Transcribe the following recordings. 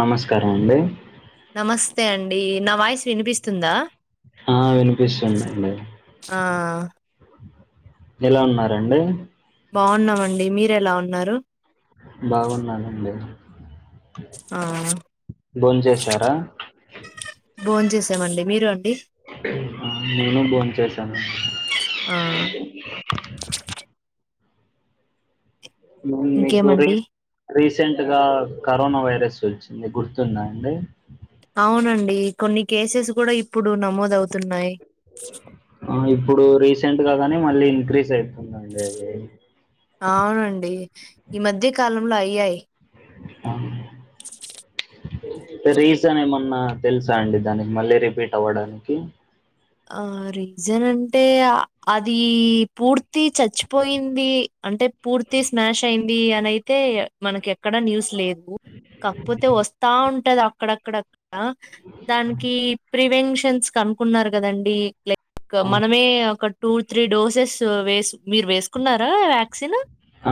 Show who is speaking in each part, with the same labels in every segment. Speaker 1: నమస్కారం అండి
Speaker 2: నమస్తే అండి నా వాయిస్ వినిపిస్తుందా
Speaker 1: ఆ వినిపిస్తుందండి
Speaker 2: ఆ
Speaker 1: ఎలా ఉన్నారండి
Speaker 2: బాగున్నామండి మీరు ఎలా ఉన్నారు ఆ
Speaker 1: భోంచేసారా
Speaker 2: భోంచేసామండి మీరు
Speaker 1: ఆ నేను భోంచేసాను
Speaker 2: ఆ
Speaker 1: అండి మీము మీకు రీ
Speaker 2: ఇంకేమండి
Speaker 1: రీసెంట్ గా కరోనా వైరస్ వచ్చింది గుర్తుందా అండి
Speaker 2: అవునండి కొన్ని కేసెస్ కూడా ఇప్పుడు నమోదవుతున్నాయి
Speaker 1: ఆ ఇప్పుడు రీసెంట్ గానీ మళ్ళీ ఇంక్రీజ్ అవుతుందండి అది
Speaker 2: అవునండి ఈ మధ్యకాలంలో అయ్యాయి
Speaker 1: అ రీజన్ ఎమన్నా తెల్సా అండి దాని మళ్లీ రిపీట్ అవ్వడానికి
Speaker 2: ఆ రీజన్ అంటే అది పూర్తి చచ్చిపోయింది అంటే పూర్తి స్మాష్ అయ్యింది అనయితే మనకి ఎక్కడా న్యూస్ లేద్ ఉ కాకపోతే వస్తా ఉంటాద అక్కడక్కడ ఆ దానికి ఫ్రీ పెన్షన్స్ కనుకున్నారు కదండి లే ఇకా
Speaker 1: ఆ,
Speaker 2: మనమే అక్కడ్ టూ త్రీ డోసెస్ వేస్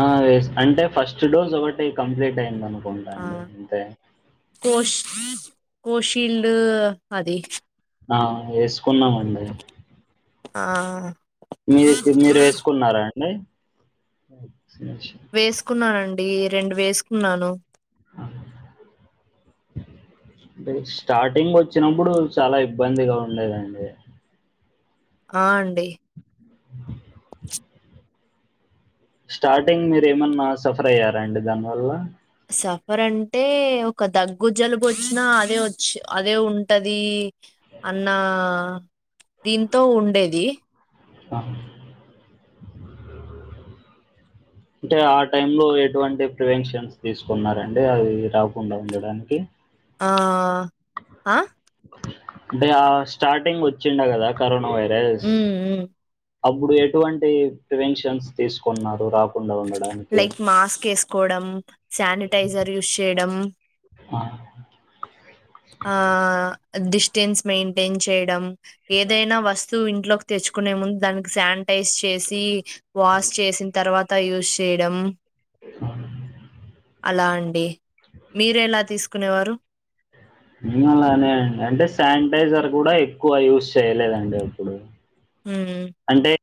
Speaker 1: ఆ ఎస్ అంటే ఫస్ట్ డోస్ ఒక్కటి కంప్లీట్ అయిందని
Speaker 2: ఆ!
Speaker 1: పొందండి ఇంతే
Speaker 2: కోష్ కోషీల్డ్ అది
Speaker 1: ఆ ఏస్ కొన్నామండి
Speaker 2: ఆ
Speaker 1: మీ మీరు వేసుకున్నారా నో సర్చ్
Speaker 2: కున్నానండి రెండు వేసుకున్నాను
Speaker 1: అంటే స్టార్టింగ్ వచ్చినప్పుడు చాలా ఇబ్బందిగా ఉండేదండి
Speaker 2: అ అండి
Speaker 1: స్టార్టింగ్ మీరు ఏమన్నా సఫర్ అయ్యారా అండి దాని వల్ల
Speaker 2: సఫర్ అంటే ఒక దగ్గు జలుబు వచ్చినా అదే వచ్ అదే ఉంటది అన్న దీంతో ఉండేది
Speaker 1: హా అంటే ఆ టైమ్‌లో ఎటువంటి ప్రివెన్షన్స్ తీసుకున్నారండి, అవి రాకుండా ఉండడానికి
Speaker 2: ఆ అ
Speaker 1: అంటే ఆ స్టార్టింగ్ వచ్చిండకదా కరోనా వైర్ ఎస్
Speaker 2: ఉమ్ ఉమ్
Speaker 1: అప్పుడు ఎటువంటి ప్రివెన్షన్స్ తీసుకున్నారు రా
Speaker 2: లైక్ మాస్క్ వేసుకోవడం శానిటైజర్ యూజ్ చేయడం
Speaker 1: అ
Speaker 2: ఆ డిస్టెన్స్ మెయింటైన్ చేయడం ఏదైనా వస్తువు ఇంట్లో తెచ్చుకునే ముందు దానికి శాం టేజ్ చేసి వాష్ చేసిన తర్వాత త యూస్ చేయడం అలా అండి మీరూ ఎలా తీసుకు కునేవారు
Speaker 1: ఏమోనండి నేనైతే స్టాంటేజ్ సానిటైజర్ కూడా ఎక్కువ యూజ్ చేయలేదండి ఎప్పుడూ
Speaker 2: హ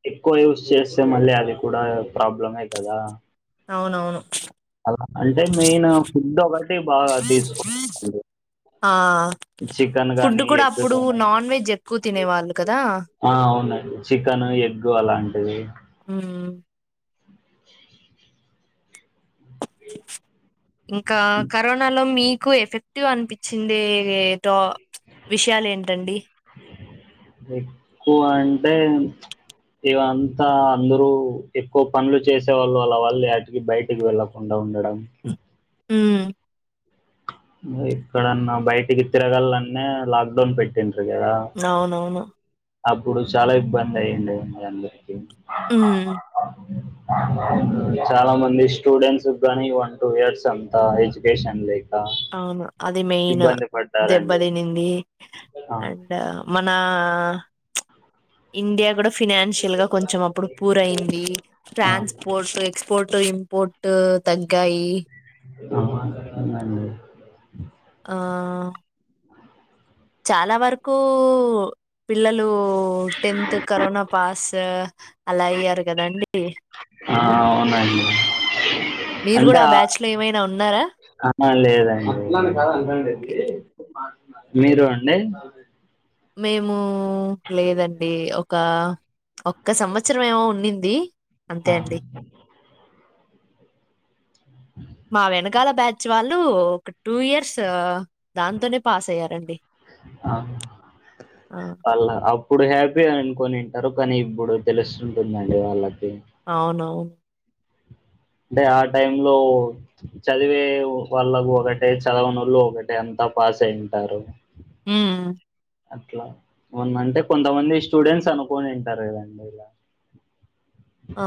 Speaker 1: ఎక్కువ యూస్ చేస్తే మళ్ళీ అది కూడా ప్రాబ్లమే కదా
Speaker 2: అవునవును
Speaker 1: అలా అంటే మెయిన్ ఫుడ్ ఒకటి బాగా తీసుకున్నానండీ,
Speaker 2: ఆ
Speaker 1: చికెన్
Speaker 2: ఫుడ్
Speaker 1: గానీ
Speaker 2: కూడా
Speaker 1: ఎగ్
Speaker 2: అప్పుడు
Speaker 1: కానీ
Speaker 2: నాన్ వెజ్ ఎక్కువ తినేవాళ్ళు కదా
Speaker 1: ఆ అవునండి చికెన్ ఎగ్ అలా అంటే
Speaker 2: హు ఇంకా కరోనా లో మీ ఎక్కువ ఎఫెక్టివ్ అనిపించింది తో విషయాలు ఏంటండి
Speaker 1: ఎక్కువ అంటే ఇవంతా అందరూ ఎక్కువ పనులు చేసే వాళ్ళు అలా వాళ్ళు వాటికి బయటికి వెళ్ళకుండా ఉండ మేడమ్
Speaker 2: హూ
Speaker 1: ఏక్కడన్నా బయటికి తిరగలన్న లాక్ డౌన్ పెట్టింది
Speaker 2: అవునవును
Speaker 1: అప్పుడు చాలా ఇబ్బంది అయ్యుండేది అండి అందరికీ
Speaker 2: హు
Speaker 1: చాలా మంది స్టూడెంట్స్ కానీ వన్ టూ ఇయర్స్ అంతా ఎడ్యుకేషన్ లైక్
Speaker 2: ఆనా అది అది మెయిన్ దెబ్బ
Speaker 1: పడ్డారండి
Speaker 2: తినింది
Speaker 1: ఆ,
Speaker 2: అండ్ మన ఇండియా కూడా ఫినాన్షియల్ గా కొంచెం అప్పుడు పూర్ అయ్యింది
Speaker 1: ఆ, ఆ,
Speaker 2: ట్రాన్స్పోర్ట్ ఎక్స్పోర్ట్ ఇంపోర్ట్ తగ్గాయి
Speaker 1: [unintelligible] అండి
Speaker 2: ఆ చాలా వరకు పిల్లలు టెన్త్ కరోనా పాస్ అలా అయ్యారు కదాండి
Speaker 1: ఆ, అవునండి
Speaker 2: మీరు
Speaker 1: అంటే
Speaker 2: కూడా
Speaker 1: ఆ-
Speaker 2: బ్యాచ్ లో ఏమైనా ఉన్నారా
Speaker 1: ఆ, లేదండి మీరు అండి
Speaker 2: మేము హు లేదండి ఒక ఒక్క సంవత్సరం ఏమో ఉన్నింది
Speaker 1: ఆ
Speaker 2: అంతే అండి మా వెనకాల బ్యాచ్ వాళ్ళు ఒక టూ ఇయర్స్ దాంతోనే పాస్ అయ్యారండి
Speaker 1: ఆ.
Speaker 2: ఆ
Speaker 1: ఇప్పుడు హ్యాపీ అనుకునింటారు కానీ ఇప్పుడు తెలుస్తుంటుందండి వాళ్ళకి
Speaker 2: అవునవును
Speaker 1: అంటే ఆ టైం లో చదివే వాళ్ళకు ఒకటే చదవనోళ్ళు ఒకటే అంతా పాస్ అయింటారు.
Speaker 2: హు
Speaker 1: అట్లా వంద అంటే కొంతమంది స్టూడెంట్స్ అనుకొనింటారు కదండి ఇలా
Speaker 2: ఆ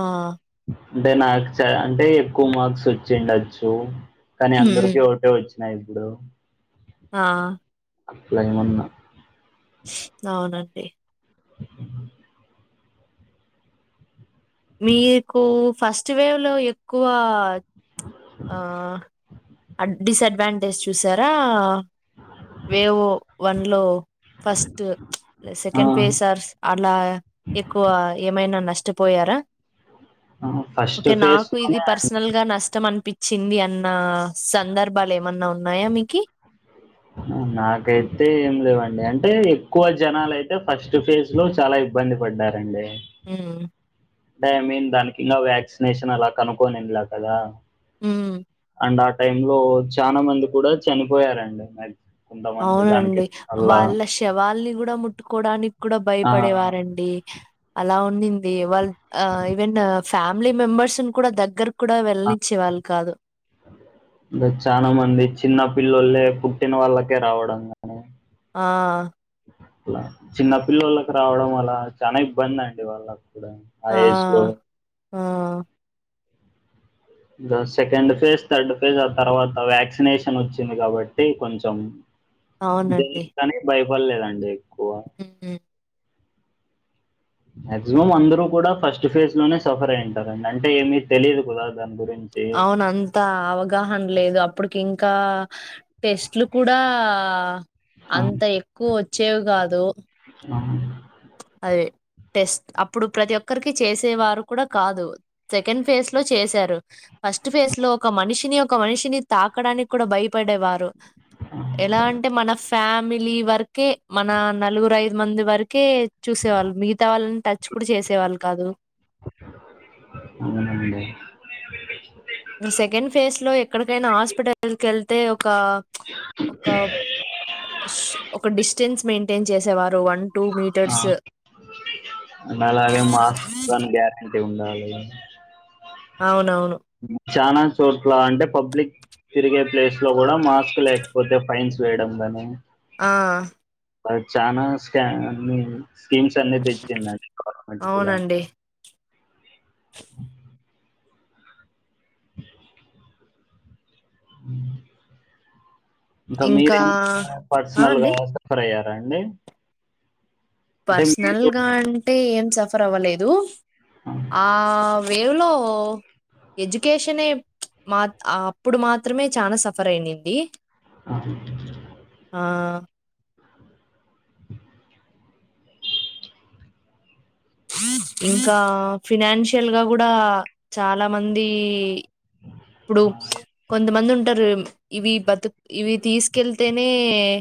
Speaker 1: అంటే నాకు చ అంటే ఎక్కువ మార్క్స్ వచ్చిండచ్చు కానీ
Speaker 2: ఉమ్
Speaker 1: అందరికీ ఒకటే వచ్చి నైస్ బ్రో
Speaker 2: ఆ
Speaker 1: అట్లేమన్నా
Speaker 2: అవునం డి
Speaker 1: [inaudible]
Speaker 2: మీ కూ ఫస్ట్ వేవ్ లో ఎక్కువ ఆ అ డిసడ్వాన్ టేజ్ చూసారా వేవ్ వన్ లో ఫస్ట్ ప్చ్
Speaker 1: ఆ
Speaker 2: సెకండ్ పేస్ ఆర్ అలా ఎక్కువ ఏమైనా నష్ ట పోయారా
Speaker 1: ఆ ఫస్ట్
Speaker 2: ఓకే
Speaker 1: ఫేజ్
Speaker 2: నాకు ఇది
Speaker 1: లోనే
Speaker 2: పర్సనల్ గా నష్టం అన్ చింది అన్న సందర్భాలు ఏమన్నా ఉన్ ఉన్నాయా మీకి
Speaker 1: నాకైతే ఏం లేవండి అంటే ఎక్కువ జనాలయితే ఫస్ట్ ఫేజ్ లో చాలా ఇబ్బంది పడ్డారండి
Speaker 2: ఊ
Speaker 1: అంటే ఐ మీన్ దానికి ఇంకా వ్యాక్సినేషన్ అలా కనుక్కొనింలా కదా
Speaker 2: ఊమ్
Speaker 1: అండ్ ఆ టైం లో చానా మంది కూడా చనిపోయారం [inaudible]
Speaker 2: అవునండి వాళ్ళ శవాల్ని కూడా ముట్టుకోడానికి కూడా
Speaker 1: ఆ
Speaker 2: భయపడేవారండి అలా ఉ ని ది వాళ్ ఈవెను ఫ్యామిలీ మెంబర్స్ ను కూడా దగ్గర కూడా వెల్లనిచ్చేవాళ్ళ కాదు
Speaker 1: అదే చానా మంది చిన్న పిల్లలే పుట్టిన వాళ్ళకే రావడం కాని
Speaker 2: ఆ
Speaker 1: అట్లా చిన్నపిల్లలకి రావడం వల చానా ఇబ్బంది అండి వాళ్ళక్ కుడ ఆ ఏజ్ లో
Speaker 2: ఆ
Speaker 1: సెకండ్ ఫేజ్ థర్డ్ ఫేజ్ ఆ తర్వాత వ్యాక్సినేషన్ వచ్చింది కాబట్టి కొంచెం దోయితని భయం ఇవ్వలేదండి
Speaker 2: ఊ
Speaker 1: మాక్సిమం అందరూ కూడా ఫస్ట్ ఫేజ్ లోనే సఫర్ అయింటారండి అంటే ఏమీ తెలియదు కదా దాని గురిం
Speaker 2: అవున అంత అవగాహన లేదు అప్పుడు ఇంకా టెస్ట్లు కూడా అంత ఎక్కువ ఒచ్చేవి గాదు దో
Speaker 1: ఆహా
Speaker 2: దే టెస్ట్ అప్పుడు ప్రతి ఒక్కరికి చేసేవారు కూడా కాదు సెకండ్ ఫేజ్ లో చేసారు ఫస్ట్ ఫేజ్ లో ఒక మనిషిని ఒక మనిషిని తాకడానికి కూడా భయపడేవారు ఎలా అంటే మన ఫ్యా మిలీ వరకే మన నలుగురు ఐదు మంది వరకు కే చూసేవాళ్ళు మిగితా వాళ్ళని ట చ్ కూడా చేసే వాళ్లు కాదు
Speaker 1: అవునండి
Speaker 2: సెకండ్ ఫేస్ లో ఎక్కడికైనా హాస్పిటల్కి వెళ్తే ఒక ఒక ష్ ఒక డిస్టెన్స్ మెయింటై టెన్ చేసేవారు వన్
Speaker 1: ఆ అండ్ అలాగే మాస్క్ అని గ్యారంటీ ఉండాలి [unintelligible]
Speaker 2: అవునవును
Speaker 1: చానా చోట్ల అంటే పబ్లిక్ తిరిగే ప్లేస్ లో గూడా మాస్క్ లేకపోతే ఫైన్స్ వేయడం కానీ
Speaker 2: ఆ
Speaker 1: చానా స్కానింగ్ స్కీమ్స్ అన్ని తెచ్చి మ గవర్నమెంట్ కూడా
Speaker 2: అవునండి.
Speaker 1: మ్ ఇంక
Speaker 2: ఇంకా
Speaker 1: మీరేమ
Speaker 2: ఆ!
Speaker 1: పర్సనల్
Speaker 2: అండి.
Speaker 1: గా సఫర్ అయ్యారు అండి అంటే మీరు
Speaker 2: పర్సనల్గా అం టే ఏం సఫర్ అవ్వలేదు ఆ వేవ్లో ఎడ్యుకేషనే మా త్ అప్పుడు మాత్రమే చానా సఫర్ అయినింది
Speaker 1: ఆహ్ [inaudible]
Speaker 2: ఆ! ఇంకా ఫినాన్షియల్ గా గుడా చాలా మందీ ఇప్పుడు
Speaker 1: ఆ,
Speaker 2: కొంతమంది ఉంటారు ఇవి బతు ఇవి తీసుకెళ్తేనే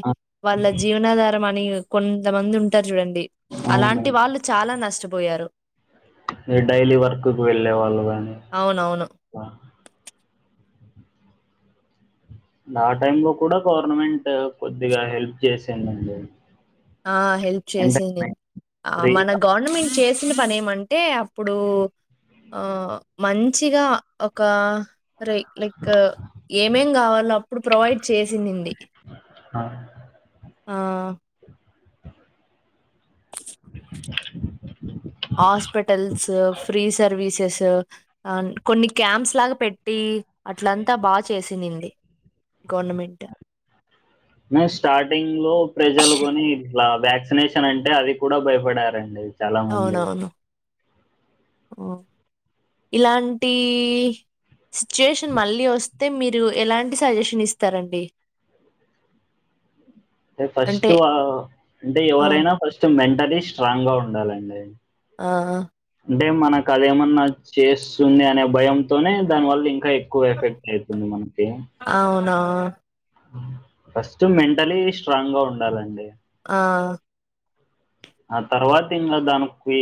Speaker 1: ఆ,
Speaker 2: వాళ్ళ జీవనాధారం అని ఇ కొంతమంది ఉంటారు చూడండి
Speaker 1: అవున
Speaker 2: అలాంటి వాళ్ళు చాలా నష్టపోయారు
Speaker 1: డైలీ వర్క్ కి వెళ్ళే వాళ్ళు గాని
Speaker 2: అవునవును
Speaker 1: ల నా టైం లో కూడా గవర్నమెంట్ కొద్దిగా హెల్ప్ చేసిందండి
Speaker 2: ఆ హెల్ప్ చేసి నేను
Speaker 1: ఎంటర్టైన్మెంట్
Speaker 2: ఆ మన
Speaker 1: ఫ్రీగా
Speaker 2: గవర్నమెంట్ చే చ్చిన పని ఏమంటే అప్పుడు ఆ మంచిగా ఒక రే లైక్ ఏమేం కావాలి వాళ్ళు అప్పుడు ప్రొవైడ్ చేసిన్నింది
Speaker 1: ఆ
Speaker 2: ఆ హాస్పిటల్స్ ఫ్రీ సర్వీసెస్ తా ఆ కొన్ని క్యాంప్స్ లాగా పెట్టి అట్లంతా బాగా చేసిన్నింది
Speaker 1: మే స్టార్టింగ్ లో ప్రజలు కొని ఇలా వ్యాక్సినేషన్ అంటే అది కూడా భయపడారండి చాలా మంది
Speaker 2: ఓ ఇలాంటి సిచ్యుయేషన్ మళ్ళీ వస్తే మీరు ఎలాంటి సజెషన్ ఇస్తారండి
Speaker 1: అంటే ఫస్ట్ అంటే
Speaker 2: ఆ
Speaker 1: ఎవరైనా ఫస్ట్ మెం టల్లీ స్ట్రాంగ్ గా ఉండాలండి
Speaker 2: ఆహా
Speaker 1: అంటే మనకు అదేమన్నా చేస్తుంది అనే భయంతోనే దానివల్ల ఇంకా ఎక్కువ ఎఫెక్ట్ అవుతుంది
Speaker 2: అవును ఆ
Speaker 1: ఫస్ట్ మెంటలీ స్ట్రాంగ్ గా ఉండాలండి
Speaker 2: ఆ
Speaker 1: ఆ తర్వాత ఇంకా దానికి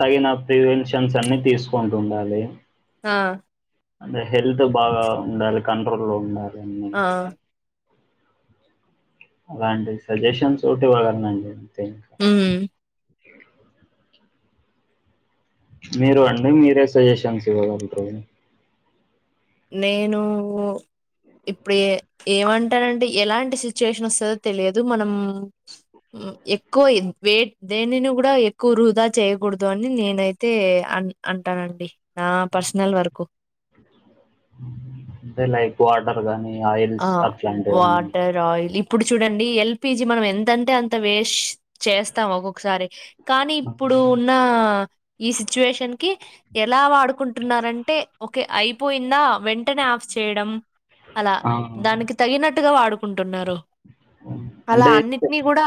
Speaker 1: తగిన ప్రివెన్షన్స్ అన్ని తీసుకుంటు ఉండాలి
Speaker 2: ఆ
Speaker 1: అంటే హెల్త్ బాగా ఉండాలి కంట్రోల్ లో ఉండాలి అన్నీ
Speaker 2: ఆ
Speaker 1: అలా అండి సజెషన్స్ ఒకటి ఇవ్వగలలనుండి
Speaker 2: ఉమ్
Speaker 1: మీరు అండి మీరే సజెషన్స్ ఇవ్వగలుగుతారు
Speaker 2: నేను ఇప్పుడు ఏమంటానంటే ఎలాంటి సిచ్యుయేషన్ వస్తుందో తెలియదు మనం ఎక్కువ వే దేనిని కూడా ఎక్కువ వృధా చేయకూడదు అని నేనైతే అ అంటానండి నా పర్సనల్ వర్కు
Speaker 1: అంటే లైక్ వాటర్ గాని
Speaker 2: ఆ వాటర్ ఆయిల్ ఇప్పుడు చూడండి ఎల్పిజి మనం ఎంతంటే అంత వేస్ట్ చేస్తాం ఒక్కొక్కసారి కానీ ఇప్పుడు ఉన్న ఈ సిచువేషన్ కి ఎలా వాడుకుంటున్నారం అంటే ఓకే అయిపోయిందా వెంటనే ఆఫ్ చేయడం
Speaker 1: ఆ!
Speaker 2: దానికి తగినట్టుగా వాడు అంటున్నారు అలా
Speaker 1: అంటే
Speaker 2: అన్నిటినీ కూడా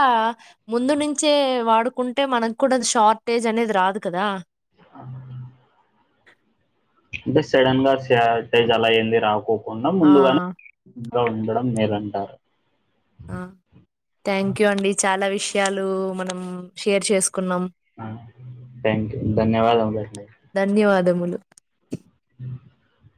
Speaker 2: ముందు నుంచే వాడుకుంటే మనకు కూడా షార్టేజ్ అనేది రాదు కదా
Speaker 1: అవు అంటే సడన్గా సాటేజ్ అలా అయిన్ది రకో కుండా
Speaker 2: ఆ
Speaker 1: ముందుగానే అ ఉండడం లేదంటారు
Speaker 2: ఆ థ్యాంక్ యూ అండి చాలా విషయాలు మనం షేర్ చేసుకు
Speaker 1: థ్యాంక్ ధన్యవాదములు అండి
Speaker 2: అందు
Speaker 1: అ